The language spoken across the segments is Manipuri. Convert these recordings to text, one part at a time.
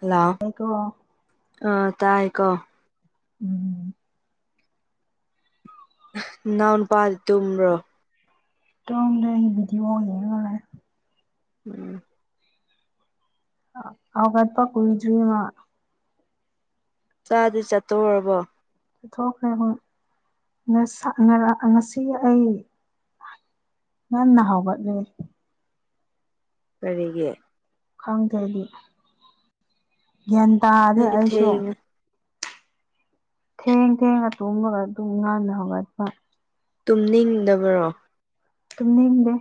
ꯂꯥꯎ ꯑꯩꯣ ꯑ ꯇꯥꯏ ꯀꯣ ꯎꯝ ꯅꯎꯅ ꯄꯥꯗ ꯇ꯭ꯔꯣ ꯣꯗꯗꯤ ꯋꯥꯉꯦ ꯎꯝ ꯑꯒꯠꯄ ꯀꯣꯏꯖꯔꯤꯃ ꯆꯥꯗꯤ ꯆꯠꯇꯧꯔꯕꯣ ꯊꯣꯛꯈ꯭ꯔꯦ ꯉꯁꯤ ꯑꯩ ꯅꯟꯅ ꯍꯕ ꯂꯩ ꯀꯔꯤꯒꯤ ꯈꯪꯗ꯭ꯔꯦꯗꯤ ꯒ꯭ꯌꯥꯟ ꯇꯥꯔꯗꯤ ꯅꯪꯗꯤ ꯑꯩꯁꯨ ꯊꯦꯡꯉꯦ ꯊꯦꯡ ꯊꯦꯡ ꯑꯇꯨꯝꯃꯒ ꯑꯗꯨꯝ ꯉꯥꯟꯟꯅ ꯍꯧꯒꯠꯄ ꯇꯨꯝꯅꯤꯡꯗꯕꯔꯣ ꯇꯨꯝ ꯅꯤꯡꯗꯦ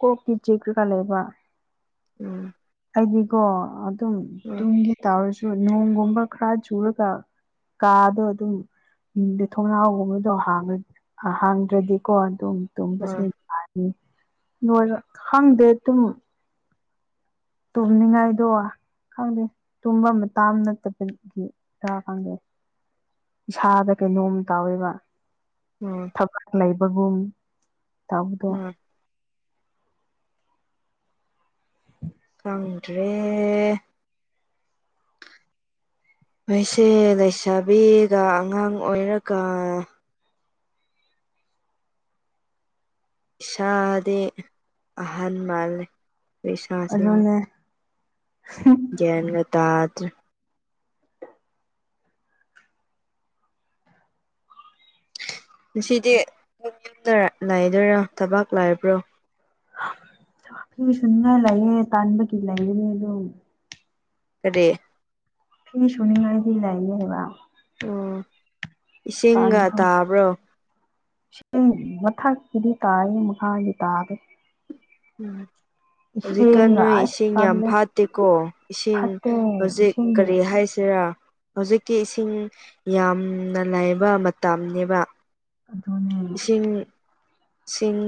ꯀꯣꯛꯀꯤ ꯆꯦꯛ ꯀꯩꯀꯥ ꯂꯩꯕ ꯎꯝ ꯍꯥꯏꯗꯤꯀꯣ ꯑꯗꯨꯝ ꯎꯝ ꯇꯨꯡꯒꯤ ꯇꯥꯔꯁꯨ ꯅꯣꯡꯒꯨꯝꯕ ꯈꯔ ꯆꯨꯔꯒ ꯀꯥꯗ ꯑ ꯑꯗꯨꯝ ꯊꯣꯡꯅꯥꯎꯒꯨꯝꯕꯗꯣ ꯍꯥꯡꯗ꯭ꯔꯗꯤꯀꯣ ꯑꯗꯨꯝ ꯑꯗꯨꯕꯁꯨ ꯎꯝ ꯌꯥꯅꯤꯣꯏ ꯈꯪꯗꯦ ꯑꯗꯨꯝ ꯇꯨꯝꯅꯤꯡꯉꯥꯏꯗꯣ ꯈꯪꯗꯦ ꯇꯨꯝꯕ ꯑꯃ ꯇꯥ ꯑꯃ ꯅꯠꯇꯕꯒꯤ ꯗꯔ ꯈꯪꯗꯦ ꯏꯁꯥꯗ ꯀꯩꯅꯣꯝ ꯇꯥꯎꯋꯦꯕ ꯎꯝ ꯂꯩꯕꯒꯨꯝ ꯇ ꯎꯝ ꯑꯗꯨꯗꯔꯤ ꯃꯣꯏꯁꯦ ꯂꯩꯁꯥꯕꯤꯒ ꯑꯉꯥꯡ ꯑꯣꯏꯔꯒ ꯏꯁꯥꯗꯦ ꯑꯍꯟ ꯃꯥꯜꯂꯦ ꯏꯁꯥꯁꯤꯡ ꯑꯗꯨꯅ ꯭ꯟꯒ ꯇꯗ꯭ꯔ ꯉꯁꯤꯗꯤ ꯑꯗꯨ ꯌꯨꯝꯗ ꯂꯥꯏꯗꯣꯏꯔꯥ ꯊꯕꯥꯛ ꯂꯥꯏꯕ꯭ꯔꯣ ꯄꯤꯤ ꯁꯅ ꯂꯩꯌꯦꯦ ꯇꯥꯟꯕꯒꯤ ꯂꯩꯒꯅꯤ ꯑꯗꯨꯣ ꯀꯔꯤ ꯐꯦꯔꯤ ꯁꯣꯅꯤꯡꯉꯥꯏ ꯂꯩꯂꯥꯏ ꯂꯩꯕ ꯑꯣ ꯏꯁꯤꯡꯒ ꯇꯥꯟꯕꯗꯣ ꯇꯥꯕ꯭ꯔꯣ ꯃꯊꯛꯀꯤꯗꯤ ꯇꯥꯏ ꯃꯈꯥꯒꯤ ꯇꯥꯕ ꯎꯝ ꯍꯧꯖꯤꯛꯀꯥꯟ ꯏꯁꯤꯡꯒ ꯅꯣꯏ ꯑꯁ ꯏꯁꯤꯡ ꯌꯥꯝ ꯇꯜꯂꯦ ꯐꯥꯠꯇꯦꯀꯣ ꯏꯁꯤꯡ ꯐꯠꯇꯦ ꯍꯧꯖꯤꯛ ꯏꯁꯤꯡꯒꯤ ꯀꯔꯤ ꯍꯥꯏꯁꯤꯔꯥ ꯍꯧꯖꯤꯛꯀꯤ ꯏꯁꯤꯡ ꯌꯥꯝꯅ ꯂꯥꯏꯕ ꯃꯇꯝꯅꯦꯕ ꯑꯗꯨꯅꯦ ꯏꯁꯤꯡ ꯁꯤꯡ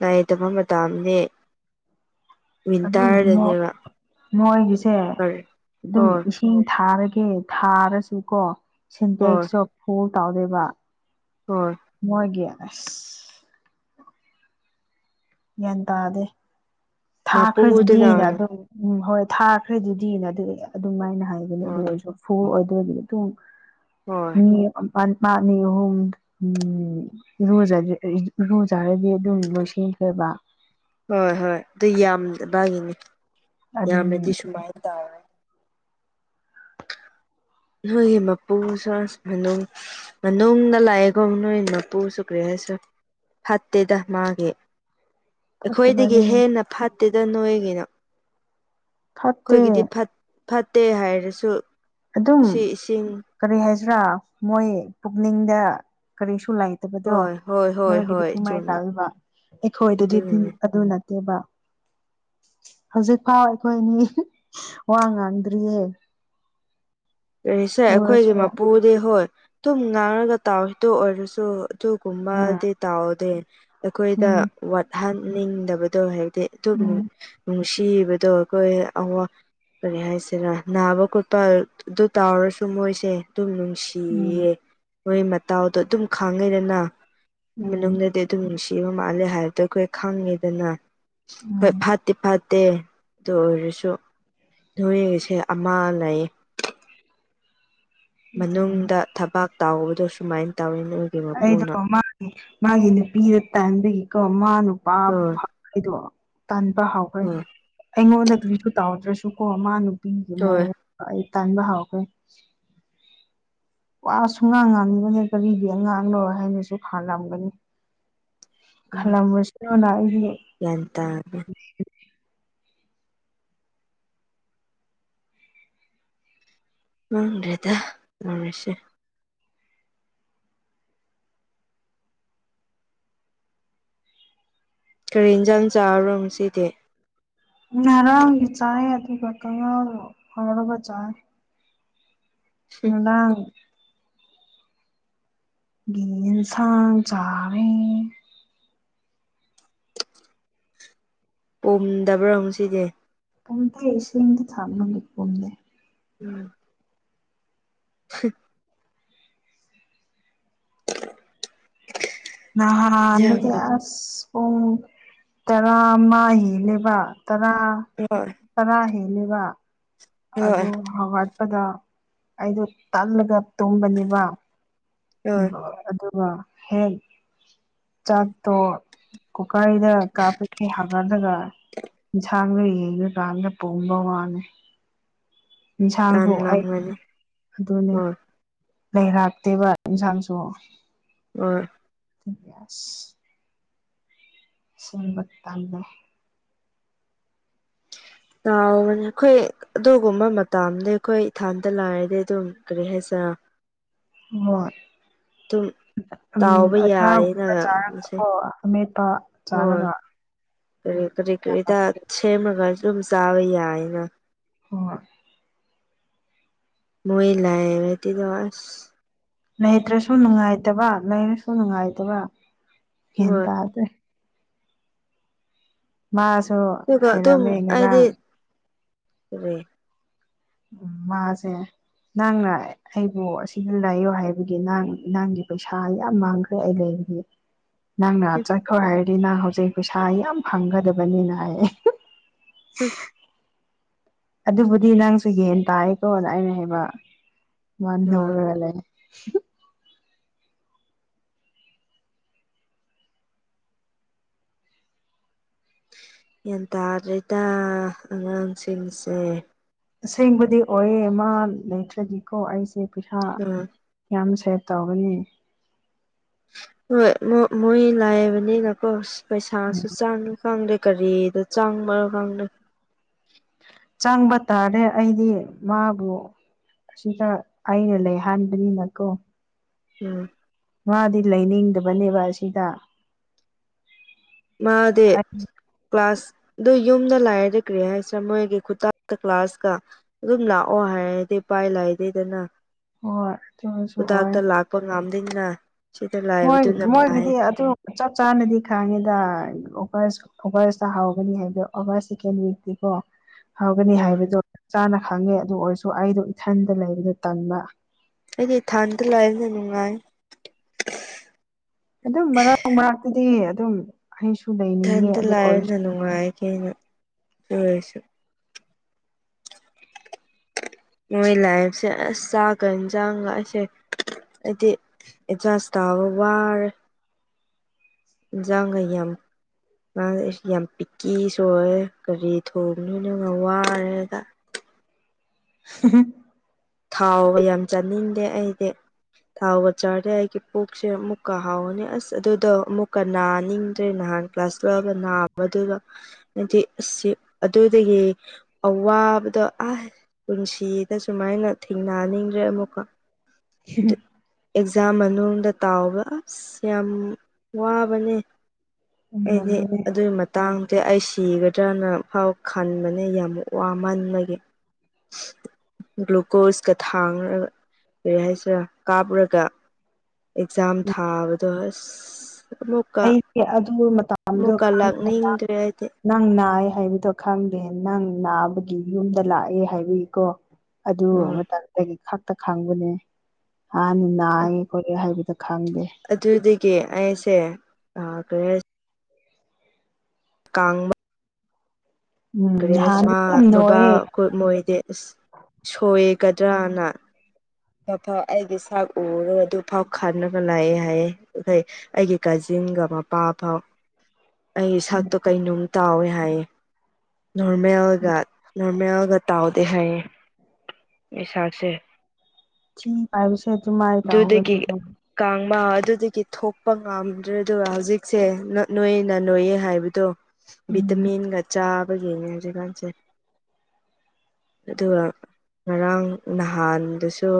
ꯅꯥꯏꯗꯕ ꯃꯇꯝꯅꯤ ꯑꯗꯨ ꯋꯤꯟꯇꯔꯗꯅꯦꯕ ꯅꯣꯏꯒꯤꯁꯦ ꯀꯔꯤ ꯑꯗꯨꯝ ꯍꯣꯏ ꯏꯁꯤꯡ ꯊꯥꯔꯒꯦ ꯊꯥꯔꯁꯨꯀꯣ ꯍꯣꯏ ꯁꯤꯟꯇꯦꯛꯁ ꯑꯣꯐ ꯐꯨꯜ ꯇꯧꯗꯣꯏꯕ ꯍꯣꯏ ꯃꯣꯏꯒꯤꯌꯥꯥꯏ ꯒ꯭ꯌꯥꯟ ꯇꯥꯗꯤ ꯃꯄꯨꯗꯨꯅ ꯊꯥꯈ꯭ꯔꯁꯤꯗꯤꯅꯦ ꯍꯣꯏ ꯑꯗꯨꯝ ꯎꯝ ꯍꯣꯏ ꯊꯥꯈ꯭ꯔꯦ ꯑꯗꯨꯗꯤꯅꯦ ꯑꯗꯨ ꯑꯗꯨꯝꯃꯥꯏꯅ ꯍꯥꯏꯒꯅꯤ ꯑꯗꯨ ꯑꯣꯏꯔꯁꯨ ꯐꯨ ꯑꯣꯏꯗꯔꯗꯤ ꯑꯗꯨ ꯍꯣꯏ ꯃꯥ ꯑꯅꯤ ꯑꯍꯨꯝ ꯎ ꯔꯨꯖ ꯍꯥꯏ ꯔꯨꯖ ꯍꯥꯏꯔ ꯑꯗꯨꯝ ꯂꯣꯏꯁꯤꯟꯈ꯭ꯔꯦꯕ ꯍꯣꯏ ꯍꯣꯏ ꯑꯗꯨ ꯌꯥꯝꯕꯥꯒꯤꯅꯤ ꯑꯗꯨꯅꯤ ꯌꯥꯝꯅꯗꯤ ꯁꯨꯃꯥꯏꯅ ꯇꯧꯔ ꯅꯣꯏꯒꯤ ꯃꯄꯨ ꯆꯥꯁ ꯃꯅꯨꯡ ꯃꯅꯨꯡꯗ ꯂꯥꯛꯑꯦꯈꯣ ꯅꯣꯏ ꯃꯄꯨ ꯆꯨꯈ꯭ꯔꯦ ꯍꯥꯏꯁꯨ ꯐꯠꯇꯦꯗ ꯃꯥꯒꯤ ꯑꯩꯈꯣꯏꯗꯒꯤ ꯐꯠꯇꯕꯅꯤ ꯍꯦꯟꯅ ꯐꯠꯇꯦꯗ ꯅꯣꯏꯒꯤꯅ ꯐꯠꯇꯦ ꯑꯩꯈꯣꯏꯒꯤꯗꯤ ꯐꯠꯇꯦ ꯍꯥꯏꯔꯁꯨ ꯑꯗꯨꯝ ꯁꯤ ꯏꯁꯤꯡ ꯀꯔꯤ ꯍꯥꯏꯁꯤ꯭ꯔꯥ ꯃꯣꯏ ꯄꯨꯛꯅꯤꯡꯗ ꯀꯔꯤꯁꯨ ꯂꯩꯥꯏ ꯅꯠꯇꯕꯗꯣ ꯍꯣꯏ ꯍꯣꯏ ꯍꯣꯏ ꯅꯣꯏꯒꯤꯗꯤ ꯍꯣꯏ ꯅꯨꯡꯉꯥꯏ ꯆꯨꯝꯃꯤ ꯇꯥꯕ ꯑꯩꯈꯣꯏꯗꯨꯗꯤ ꯑꯗꯨ ꯑꯗꯨꯅꯤꯅꯦ ꯑꯗꯨ ꯅꯠꯇꯦꯕ ꯍꯧꯖꯤꯛꯐꯥꯎ ꯑꯩꯈꯣꯏꯅꯤ ꯋꯥ ꯉꯥꯡꯗ꯭ꯔꯤꯌꯦ ꯀꯔꯤ ꯁꯦ ꯑꯩꯈꯣꯏꯒꯤ ꯎꯔꯁꯨ ꯃꯄꯨꯗꯤ ꯍꯣꯏ ꯑꯗꯨꯨꯝ ꯉꯥꯡꯉꯒ ꯇꯥꯎꯔꯤꯗ ꯑꯣꯏꯔꯁꯨ ꯎꯝ ꯑꯗꯨꯨꯨꯝꯕꯗꯤ ꯇꯥꯎꯗꯦ ꯑꯩꯈꯣꯏꯗ ꯎꯝ ꯋꯥꯠꯍꯟꯅꯤꯡꯗꯕꯗꯣ ꯍꯦꯛ ꯑꯗꯨ ꯎꯝ ꯎꯝ ꯁꯤꯕꯗꯣ ꯑꯩꯈꯣꯏꯋꯥ ꯀꯔꯤ ꯍꯥꯏꯁꯤꯔꯥ ꯅꯥꯕ ꯈꯣꯠꯄ ꯑꯗꯨ ꯇꯥꯎꯔꯁꯨ ꯃꯣꯏꯁꯦ ꯑꯗꯨꯝ ꯎꯝ ꯅꯨꯡꯁꯤꯌꯦ ꯃꯣꯏ ꯃꯇꯥꯎꯗꯣ ꯑꯗꯨꯝ ꯈꯥꯡꯉꯩꯗꯅ ꯎꯝ ꯃꯅꯨꯡꯗꯗꯤ ꯑꯗꯨꯝ ꯅꯨꯡꯁꯤꯕ ꯃꯥꯜꯂꯦ ꯍꯥꯏꯕꯗꯣ ꯑꯩꯈꯣꯏ ꯈꯪꯉꯦꯗꯅ ꯍꯣꯏ ꯎꯝ ꯐꯠꯇꯦ ꯐꯠꯇꯦ ꯑꯗꯨ ꯑꯣꯏꯔꯁꯨ ꯅꯣꯏꯁꯦ ꯑꯃ ꯂꯩ ꯑꯗꯨꯅꯦ ꯃꯅꯨꯡꯗ ꯊꯕꯥꯛ ꯇꯥꯎꯕꯗꯣ ꯁꯨꯃꯥꯏꯅ ꯇꯧꯋꯤꯅ ꯑꯩꯗꯣ ꯃꯥꯒꯤ ꯃꯥꯒꯤ ꯅꯨꯄꯤꯗ ꯇꯟꯕꯒꯤꯀꯣ ꯃꯥ ꯅꯨꯄꯥ ꯍꯣꯏ ꯑꯩꯗꯣ ꯇꯟꯥꯟꯕ ꯍꯥꯎꯈ꯭ꯔꯦ ꯍꯣꯏ ꯑꯩꯉꯣꯟꯗ ꯀꯔꯤꯁꯨ ꯇꯥꯎꯗ꯭ꯔꯁꯨ ꯀꯣ ꯃꯥꯅ ꯄꯒꯤ ꯍꯣꯏ ꯃꯑꯣꯡ ꯑꯩ ꯇꯥꯟꯕ ꯍꯥꯎꯈ꯭ꯔꯦ ꯋꯥꯁꯨꯨꯡ ꯉꯥꯡ ꯉꯥꯡꯂꯤꯕꯅꯦ ꯀꯔꯤꯒꯤ ꯑꯉꯥꯡꯅꯣꯏ ꯍꯥꯏꯅꯁꯨ ꯐꯜꯂꯝꯒꯅꯤ ꯎꯝ ꯈꯕꯁꯤꯅ ꯏ ꯒ꯭ꯌꯥꯟ ꯇꯥꯔꯦ ꯎ꯭ꯔꯔꯤꯗ ꯎꯁ ꯀꯔꯤ ꯌꯦꯟꯖꯥꯡ ꯆꯥꯔꯔꯣ ꯉ ꯁꯤꯗꯤ ꯉꯔꯥꯡꯒꯤ ꯆꯥꯏ ꯑꯗꯨꯒ ꯇꯉꯜ ꯍꯧꯥꯎꯔꯕ ꯆꯥꯏ ꯑꯗꯥ ꯒꯤꯟꯁꯥꯡ ꯆꯔꯦ ꯄꯣꯝꯗꯕ꯭ꯔꯥ ꯑꯃꯨ ꯁꯤꯗꯤ ꯀꯨꯡ ꯇ ꯑꯦꯁꯨꯣꯏ ꯏꯗꯤ ꯊꯝꯃꯅꯤ ꯀꯨꯝꯗꯦ ꯎꯝ ꯁꯤ ꯑ ꯑꯟꯗꯗꯤ ꯏꯟꯖꯥꯡꯒ ꯑ ꯄꯨꯡ ꯇꯔꯥꯃ ꯍꯤꯅꯦꯕ ꯇꯔꯥ [unintelligible] ꯇꯔꯥ ꯍꯦꯜꯂꯤꯕ ꯍꯣꯏ ꯑꯗꯨ ꯐꯧꯒꯠꯄꯗ ꯑꯩꯗꯣ ꯇꯜꯂꯒ ꯇꯨꯝꯕꯅꯦꯕ ꯍꯣꯏ ꯑꯗꯨꯒ ꯍꯦꯛ ꯆꯥꯛꯇꯣ ꯀꯨꯀꯥꯏꯗ ꯀꯥꯞꯄꯒꯤ ꯍꯥꯒꯠꯂꯒ ꯌꯦꯟꯁꯥꯡꯗ ꯌꯦꯔꯀꯥꯟꯗ ꯄꯣꯝꯕ ꯋꯥꯅꯤ ꯇꯥꯟ ꯌꯦꯟꯁꯥꯡꯁꯨꯛ ꯑꯩ ꯂꯝꯒꯅꯤ ꯑꯗꯨꯅꯦ ꯍꯣꯏ ꯂꯩꯔꯛꯇꯦꯕ ꯏꯟꯁꯥꯡꯁꯨ ꯑꯣ [inaudible] ꯁꯦꯝꯕ ꯇꯜꯂꯦ ꯇꯥꯎꯕꯅꯦ ꯑꯩꯈꯣꯏ ꯑꯗꯨꯒꯨꯝꯕ ꯃꯇꯥꯝꯗꯤ ꯑꯩꯈꯣꯏ ꯏꯊꯥꯟꯗ ꯂꯥꯏꯔꯗꯤ ꯑꯗꯨꯝ ꯀꯔꯤ ꯍꯥꯏꯁꯤꯔ ꯃꯣꯏ ꯇꯨꯝ ꯇꯥꯎꯕ ꯌꯥꯌꯦꯅ ꯑꯆꯥꯔꯒꯨꯝꯕ ꯑꯃꯁꯦ ꯆꯥꯔꯒꯀꯣ ꯑꯃꯦꯠꯄ ꯍꯣꯏ ꯆꯥꯔꯒ ꯀꯔꯤ ꯀꯔꯤ ꯀꯔꯤꯗ ꯁꯦꯝꯔꯒꯥ ꯑꯗꯨꯝ ꯆꯥꯕ ꯌꯥꯏꯅ ꯍꯣꯏ ꯃꯣꯏ ꯂꯥꯏꯔꯗꯤꯒꯣ ꯑꯁ ꯂꯩꯇ꯭ꯔꯁꯨ ꯅꯨꯡꯉꯥꯏꯇꯕ ꯂꯩꯔꯁꯨ ꯅꯨꯡꯉꯥꯏꯇꯕ ꯍꯦꯟ ꯍꯣꯏ ꯇꯥꯗ꯭ꯔꯦ ꯃꯥꯁꯨ ꯑꯗꯨꯒ ꯑꯗꯨꯝ ꯍꯩꯔꯝꯃꯦ ꯍꯥꯏꯗꯤ ꯉꯔꯥꯡ ꯃꯥꯁꯦ ꯅꯪꯅ ꯑꯑꯩꯕꯨ ꯑꯁꯤꯗ ꯂꯩꯌꯨ ꯍꯥꯏꯕꯒꯤ ꯅꯪ ꯅꯪꯒꯤ ꯄꯩꯁꯥ ꯌꯥꯝ ꯃꯥꯡꯈ꯭ꯔꯦ ꯑꯩ ꯂꯩꯕꯒꯤ ꯅꯪꯅ ꯆꯠꯈ꯭ꯔꯣ ꯍꯥꯏꯔꯗꯤ ꯅꯪ ꯍꯧꯖꯤꯛ ꯄꯩꯁꯥ ꯌꯥꯝ ꯐꯪꯒꯗꯕꯅꯤꯅ ꯑꯩ ꯎꯝ ꯑꯗꯨꯕꯨꯗꯤ ꯅꯪꯁꯨ ꯌꯦꯟ ꯇꯥꯏꯌꯦꯀꯣꯅ ꯑꯩꯅ ꯍꯥꯏꯕ ꯃꯥ ꯍꯣꯏ ꯅꯧꯔꯒ ꯂꯩ [unintelligible] ꯒ꯭ꯌꯥꯟ ꯇꯥꯗ꯭ꯔꯦꯗ ꯑꯉꯥꯡꯁꯤꯡꯁꯦ ꯑꯁꯦꯡꯕꯗꯤ ꯑꯣꯏꯌꯦ ꯃꯥ ꯂꯩꯇ꯭ꯔꯗꯤꯀꯣ ꯑꯩꯁꯦ ꯄꯩꯁꯥ ꯎꯝ ꯌꯥꯝ ꯁꯦꯕ ꯇꯧꯒꯅꯤ ꯍꯣꯏ ꯃꯣ ꯃꯣꯏ ꯂꯥꯏꯑꯕꯅꯤꯅꯀꯣ ꯄꯩꯁꯥꯁꯨ ꯆꯥꯡꯅ ꯈꯪꯗꯦ ꯀꯔꯤꯗ ꯆꯥꯡꯕꯅꯣ ꯈꯪꯗꯦ ꯆꯪꯕ ꯇꯥꯔꯦ ꯑꯩꯗꯤ ꯃꯥꯕꯨ ꯁꯤꯗ ꯑꯩꯅ ꯂꯩ ꯍꯥꯟꯕꯅꯤꯅꯀꯣ ꯎꯝ ꯃꯥꯗꯤ ꯂꯩꯅꯤꯡꯗꯕꯅꯦꯕ ꯑꯁꯤꯗ ꯃꯥꯗꯤ ꯑꯩ ꯀ꯭ꯂꯥꯁ ꯑꯗꯨ ꯌꯨꯝꯗ ꯂꯥꯏꯔꯗꯤ ꯀꯔꯤ ꯍꯥꯏꯁꯤꯔꯥ ꯃꯣꯏꯒꯤ ꯈꯨꯇꯥꯛ ꯇ ꯀ꯭ꯂꯥꯁꯀ ꯑꯗꯨꯝ ꯂꯥꯛꯑꯣ ꯍꯥꯏꯔꯗꯤ ꯏꯄꯥꯏ ꯂꯥꯏꯗꯩꯗꯅ ꯍꯣꯏ ꯑꯗꯨꯁꯨ ꯑꯣꯏ ꯈꯨꯗꯛꯇ ꯂꯥꯛꯄ ꯉꯝꯗꯦꯅ ꯃꯣꯏ ꯃꯣꯏꯒꯤꯗꯤ ꯑꯗꯨ ꯆꯞ ꯆꯥꯅꯗꯤ ꯈꯥꯡꯉꯤꯗ [unintelligible] ꯑꯣꯒꯁꯇ ꯍꯥꯎꯒꯅꯤ ꯍꯥꯏꯕꯗꯣ ꯑꯣꯒꯁ ꯁꯦꯀꯦꯟ ꯋꯤꯛꯇꯤꯀꯣ ꯍꯧꯒꯅꯤ ꯎꯝ ꯍꯥꯏꯕꯗꯣ ꯆꯞ ꯆꯥꯅ ꯈꯪꯉꯦ ꯑꯗꯨ ꯑꯣꯏꯔꯁꯨ ꯑꯩꯗꯣ ꯏꯊꯟꯗ ꯂꯩꯕꯗ ꯇꯟꯕ ꯑꯩꯗꯤ ꯊꯥꯟꯗ ꯂꯩꯕꯅ ꯅꯨꯡꯉꯥꯏ ꯑꯗꯨꯝ ꯃꯔꯛ ꯃꯔꯛꯇꯨꯗꯤ ꯑꯗꯨꯝ ꯑꯩꯁꯨ ꯂꯩꯅꯤꯡꯉꯦ ꯑꯗꯨ ꯑꯣꯏꯔꯁꯨ ꯅꯨꯡꯉꯥꯏ ꯀꯦꯅ ꯑꯗꯨꯑꯣꯏꯔꯁꯨ ꯃꯣꯏ ꯂꯥꯏꯐꯁꯦ ꯑꯁ ꯆꯥꯛꯀ ꯏꯟꯖꯥꯡꯒ ꯑꯩ ꯁꯦ ꯑꯩꯗꯤ ꯑꯦꯖꯁꯠ ꯇꯧꯕ ꯋꯥꯔꯦ ꯟꯖꯥꯡꯒ ꯌꯥꯝ ꯃꯥꯁ ꯑꯩꯁꯨ ꯌꯥꯝ ꯄꯤꯛꯀꯤ ꯁ ꯑꯣꯏꯦ ꯀꯒꯥꯔꯤ ꯊꯣꯡꯅꯣꯏꯅ ꯋꯥꯔꯦꯗ [unintelligible] ꯊꯥꯎ ꯌꯥꯝ ꯆꯥꯅꯤꯡꯗꯦ ꯑꯩꯗꯤ ꯊꯥꯎꯒ ꯆꯥꯔꯦ ꯑꯩꯒꯤ ꯄꯨꯣꯛꯁꯦ ꯑꯃꯨꯛꯀ ꯍꯥꯎꯋꯅꯤ ꯑꯁ ꯑꯗꯨꯗꯣ ꯑꯃꯨꯛꯀ ꯅꯥꯅꯤꯡꯗ꯭ꯔꯦ ꯅꯍꯥꯟ ꯀ꯭ꯂꯥꯁ ꯂꯑꯒ ꯅꯥꯕꯗꯨꯒ ꯍꯥꯏꯗꯤ ꯑꯁꯤ ꯑꯗꯨꯗꯒꯤ ꯑꯋꯥꯕꯗꯣ ꯑ ꯄꯨꯟꯁꯤꯗ ꯁꯨꯃꯥꯏꯅ ꯊꯦꯡꯅꯍꯟꯅꯤꯡꯗ꯭ꯔꯦ ꯑꯃꯨꯛꯀ ꯎ ꯑꯗꯨ ꯑꯦꯛꯖꯥꯝ ꯃꯅꯨꯡꯗ ꯇꯥꯎꯕ ꯑꯁ ꯌꯥꯝ ꯋꯥꯕꯅꯦ ꯑꯩꯗꯤ ꯎꯔꯝꯒꯅꯤ ꯑꯗꯨꯒꯤ ꯇꯥꯡꯗꯦ ꯑꯩ ꯁꯤꯒꯗ꯭ꯔꯅ ꯐꯥꯎ ꯈꯟꯕꯅꯦ ꯌꯥꯝ ꯋꯥꯃꯟꯕꯒꯤ [unintelligible] ꯀꯣꯔꯣꯁꯀ ꯊꯥꯡꯒ ꯀꯔꯤ ꯍꯥꯏꯁꯤꯔꯥ ꯀꯥꯞꯄꯨꯔꯒ ꯑꯦꯛꯖꯥꯝ ꯊꯥꯕꯗꯣ ꯑꯁ ꯑꯃꯨꯛ ꯑꯩꯁꯦ ꯑꯗꯨ ꯃꯇꯗꯣ ꯈꯪꯉꯦꯗ ꯂꯥꯛꯅꯤꯡꯗ꯭ꯔꯦ ꯍꯥꯏꯗꯤ ꯅꯪ ꯅꯥꯏ ꯍꯥꯏꯕꯗꯣ ꯈꯪꯗꯦ ꯅꯪ ꯅꯥꯕꯒꯤ ꯌꯨꯝꯗ ꯂꯥꯛꯑꯦ ꯍꯥꯏꯕꯒꯤꯀꯣ ꯑꯗꯨ ꯎꯝ ꯃꯇꯝꯒꯤ ꯈꯛꯇ ꯈꯪꯕꯅꯦ ꯍꯥꯟꯅ ꯅꯥꯏꯌꯦꯦ ꯈꯣꯠꯂꯦ ꯍꯥꯏꯕꯗ ꯈꯪꯗꯦ ꯑꯗꯨꯗꯒꯤ ꯑꯩꯁꯦ ꯀ ꯀꯥꯡ ꯎꯝ ꯒ꯭ꯔꯦꯁ ꯅꯍꯥꯟꯗꯤ ꯃꯥ ꯌꯥꯝ ꯕꯕꯥ ꯅꯣꯏꯌꯦ ꯀꯣꯏ ꯃꯣꯏꯗꯤ ꯑ ꯁꯣꯏꯒꯗ꯭ꯔꯅ ꯥꯎ ꯑꯩꯒꯤ ꯆꯥꯛ ꯎꯔꯒ ꯑꯗꯨ ꯐꯥꯎ ꯈꯥꯒ ꯂꯥꯛꯑꯦ ꯍꯥꯏꯌꯦꯦ ꯑꯩꯈꯣꯏ ꯑꯩꯒꯤ ꯀꯥꯖꯤꯟꯒ ꯃꯄꯥ ꯐꯥꯎ ꯑꯩ ꯁꯛꯇꯨ ꯀꯩꯅꯅꯨꯡ ꯇꯥꯎꯋꯦ ꯍꯥꯏꯌꯦ ꯅꯣꯔꯃꯦꯜꯒ ꯅꯣꯔꯃꯦꯜꯒ ꯇꯥꯎꯗꯦ ꯍꯥꯏꯌꯦ ꯃꯤꯁꯥꯁꯦ ꯊꯤ ꯄ ꯍꯥꯏꯕꯁꯦ ꯑꯗꯨ ꯃꯥꯏ ꯑꯗꯨꯗꯒꯤ ꯇꯥꯛꯍꯧꯒꯅꯤ ꯀꯥꯡꯕ ꯑꯗꯨꯗꯒꯤ ꯊꯣꯛꯄ ꯉꯝꯗ꯭ꯔꯦ ꯑꯗꯨꯒ ꯍꯧꯖꯤꯛꯁꯦ ꯅꯣꯏꯌꯦꯅ ꯅꯣꯏꯌꯦ ꯍꯥꯏꯕꯗꯣ ꯎꯝ ꯚꯤꯇꯥꯃꯤꯟꯒ ꯆꯥꯕ ꯌꯦꯡꯉꯦ ꯍꯧꯖꯤꯛꯀꯥꯟꯁꯦ ꯑꯗꯨꯒ ꯉꯔꯥꯡ ꯅꯍꯥꯟꯗꯁꯨ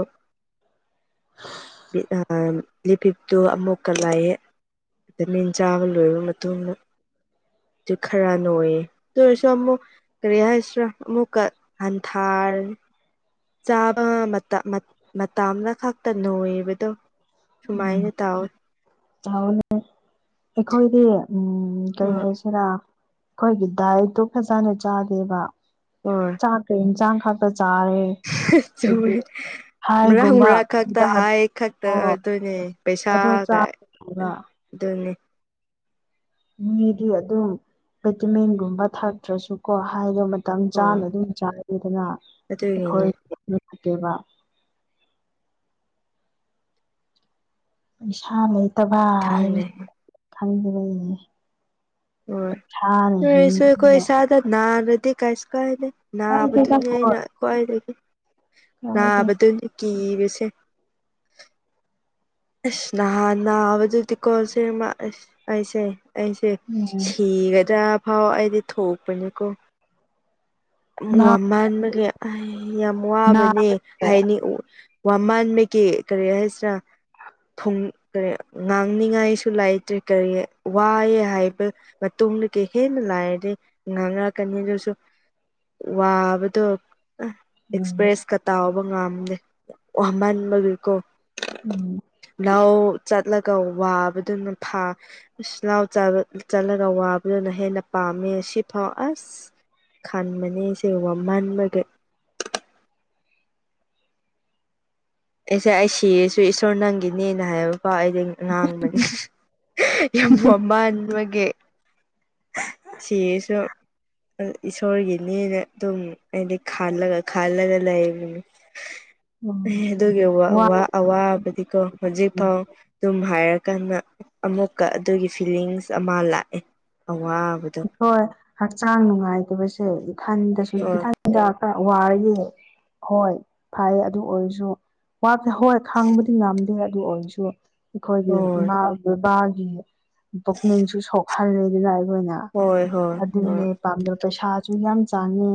[unintelligible] ꯂꯤꯄꯤꯞꯇꯨ ꯑꯃꯨꯛꯀ ꯂꯥꯛꯑꯦ ꯗ ꯃꯤꯟ ꯆꯥꯕ ꯂꯣꯏꯔꯕ ꯃꯇꯨꯡꯗ ꯑꯗꯨ ꯈꯔ ꯅ ꯑꯣꯏꯌꯦꯦ ꯑꯗꯨ ꯑꯣꯏꯔꯁꯨ ꯑꯃꯨꯛ ꯀꯔꯤ ꯍꯥꯏꯁꯔꯥ ꯑꯃꯨꯛꯀ ꯍꯟꯊꯥꯔ ꯆꯥꯕ ꯃꯇꯥꯅ ꯈꯛꯇ ꯅꯣꯏꯕꯗꯣ ꯁꯨꯃꯥꯏꯅ ꯇꯥꯎꯋꯤ ꯅꯦ ꯑꯩꯈꯣꯏꯗꯤ ꯎꯝ ꯀꯔꯤ ꯍꯣꯏ ꯍꯥꯏꯁ ꯔ ꯑꯩꯈꯣꯏꯒꯤ ꯗꯥꯏꯠꯇꯨ ꯐꯖꯅ ꯆꯥꯗꯦꯕ ꯍꯣꯏ ꯆ ꯀ ꯏꯟ ꯆꯥꯡ ꯈꯇ ꯆꯥꯔꯦ ꯆꯨꯝꯃꯦ ꯑꯗꯒꯤ ꯃꯔꯥꯡ ꯍꯥꯏꯒꯨꯝꯕ ꯃꯔꯥꯡ ꯈꯛꯇ ꯍꯥꯏ ꯈꯛꯇ ꯑꯣ ꯑꯗꯨꯣꯏꯅꯦ ꯑꯗꯣ ꯄꯩꯁꯥꯒ ꯆꯥꯕ ꯑꯗꯨꯅꯤ ꯃꯤꯗꯤ ꯑꯗꯨꯝ ꯚꯤꯇꯃꯤꯟꯒꯨꯝꯕ ꯊꯛꯇ꯭ꯔꯁꯨꯀꯣ ꯍꯥꯏꯗ ꯃꯇꯝ ꯍꯣꯏ ꯆꯥꯅ ꯑꯗꯨꯝ ꯆꯥꯗꯅ ꯑꯩꯈꯣꯏ ꯑꯗꯨꯒꯤꯅꯦ ꯅꯨꯡꯉꯥꯏꯇꯦꯕ ꯄꯩꯁꯥ ꯂꯩꯇꯕ ꯈꯪꯗꯦ ꯍꯥꯏꯕꯁ ꯈꯪꯗꯕꯅꯦ ꯍꯣꯏꯁꯨ ꯀꯣꯏꯁꯗ ꯅꯔꯗꯤ ꯀꯥꯏꯁ ꯀꯥꯏꯅꯦ ꯀꯥꯏꯗꯦꯗ ꯅꯥꯕꯗꯨꯅꯤ ꯍꯣꯏ ꯑꯩꯅ ꯈ꯭ꯋꯥꯏꯗꯒꯤ ꯀꯥꯏꯗꯦ ꯅꯥꯕꯗꯨꯅꯤ ꯀꯤꯕꯁꯦ ꯑꯁ ꯅꯍꯅꯥ ꯑꯕꯗꯨꯗꯤ ꯀꯣꯜꯁꯦ ꯄꯩꯁꯦ ꯑꯩꯁꯦ ꯎꯝ ꯁꯤꯒꯗ꯭ꯔꯥ ꯐꯥꯎ ꯑꯩꯗꯤ ꯊꯣꯛꯄꯅꯤꯀꯣ ꯅꯥ ꯋꯥ ꯃꯥꯟꯕꯒꯤ ꯌꯥꯝ ꯋꯥꯕꯅꯦ ꯅꯥꯕꯁꯦ ꯍꯥꯏꯅꯤ ꯋꯥꯃꯥꯟꯃꯦꯀꯤ ꯀꯔꯤ ꯍꯥꯏꯁꯤ꯭ꯔ [unintelligible] ꯀꯔꯤ ꯉꯥꯡꯅꯤꯡꯉꯥꯏꯁꯨ ꯂꯩꯇ꯭ꯔꯦ ꯀꯔꯤ ꯋꯥꯑꯦ ꯍꯥꯏꯕ ꯃꯇꯨꯡꯗ ꯀꯩ ꯍꯦꯟꯅ ꯂꯥꯏꯔꯗꯤ ꯉꯥꯡꯅꯔꯛꯀꯅꯤ ꯑꯗꯨꯁꯨ ꯋꯥꯕꯗꯣ ꯑꯥ ꯎꯝ ꯑꯦꯛꯁꯄ꯭ꯔꯦꯁ ꯇꯥꯎꯕ ꯉꯥꯝꯗꯦ ꯋꯥꯃꯟꯕꯗꯨꯀꯣ ꯎꯝ ꯅꯥꯎ ꯆꯠꯂꯒ ꯋꯥꯕꯗꯨꯅ ꯐꯥ ꯥꯎꯁ ꯂ ꯆꯜ ꯆꯠꯂꯒ ꯋꯥꯕꯗꯨꯅ ꯍꯦꯟꯅ ꯄꯥꯝꯃꯦ ꯁꯤꯐꯥꯎ ꯑꯁ ꯈꯥꯟꯃꯅꯤ ꯁꯤꯅ ꯋꯥꯃꯥꯟꯕꯒꯤ ꯑꯩꯁꯦ ꯑꯩ ꯁꯤꯔꯁꯨ ꯏꯁꯣꯔ ꯅꯪꯒꯤꯅꯦꯅ ꯍꯥꯏꯕ ꯐꯥꯎ ꯑꯩꯗꯤ ꯉꯥꯡꯕꯅꯤ ꯌꯥꯝ ꯋꯥꯃꯟꯕꯒ ꯁꯤꯌ‌ꯦꯁꯨ ꯏꯁꯣꯔꯒꯤꯅꯦꯅ ꯑꯗꯨꯝ ꯑꯩꯗꯤ ꯈꯂ ꯈꯜꯂꯒ ꯂꯩꯕꯅꯤ [inaudible] ꯑꯦ ꯑꯗꯨꯒꯤ ꯑꯋꯥ ꯋꯥ ꯑꯋꯥ ꯑꯋꯥꯕꯗꯤꯀꯣ ꯎꯝ ꯍꯧꯖꯤꯛꯐꯥꯎ ꯑꯗꯨꯝ ꯍꯥꯏꯔꯀꯥꯟꯗ ꯑꯃꯨꯛꯀ ꯑꯗꯨꯒꯤ ꯐꯤꯂꯤꯡꯁ ꯑꯃ ꯂꯥꯛꯑꯦ ꯑꯋꯥ ꯍꯣꯏ ꯍꯛꯆꯥꯡ ꯅꯨꯡꯉꯥꯏꯇꯕꯁꯦ ꯏꯊꯟꯗꯁꯨ ꯍꯣꯏ ꯏꯊꯟ ꯍꯗ [unintelligible] ꯋꯥꯔꯌꯦ ꯍꯣꯏ ꯐꯩ ꯑꯗꯨ ꯑꯣꯏꯔꯁꯨ ꯋꯥꯕꯁ‌ꯦ ꯍꯣꯏ ꯈꯥꯡꯕꯗꯤ ꯉꯝꯗꯦ ꯑꯗꯨ ꯑꯣꯏꯔꯁꯨ ꯑꯩꯈꯣꯏꯒꯤ ꯍꯣꯏ ꯏꯃꯥ ꯕꯦꯕꯥꯒꯤ ꯄꯨꯛꯅꯤꯡꯁꯨ ꯁꯣꯛꯍꯜꯂꯦꯗꯨꯅ ꯑꯩꯈꯣꯏꯅ ꯍꯣꯏ ꯍꯣꯏ ꯍꯣꯏ ꯑꯗꯨꯅꯦ ꯄꯥꯝꯅꯕ ꯄꯩꯁꯥꯁꯨ ꯌꯥꯝ ꯆꯥꯡꯉꯤ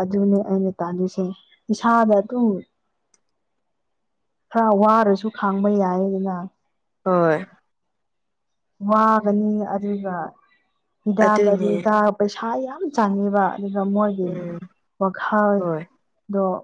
ꯑꯗꯨꯅꯦ ꯑꯩꯅ ꯇꯥꯜꯂꯤꯁꯦ ꯏꯁꯥꯗ ꯑꯗꯨꯝ ꯈꯔ ꯋꯥꯔꯁꯨ ꯈꯥꯡꯕ ꯌꯥꯏ ꯑꯗꯨꯅ ꯍꯣꯏ ꯋꯥꯒꯅꯤ ꯑꯗꯨꯒ ꯍꯤꯗꯥꯛ ꯑꯗꯨꯅꯦ ꯑꯗꯨꯗ ꯄꯩꯁꯥ ꯌꯥꯝ ꯆꯪꯉꯦꯕ ꯑꯗꯨꯒ ꯃꯣꯏꯒꯤ ꯎꯝ ꯍꯣꯏ ꯋꯥꯈꯜꯗꯣ